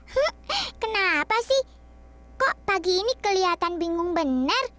heeh kenapa sih kok pagi ini kelihatan bingung bener